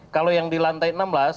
kalau yang di lantai enam belas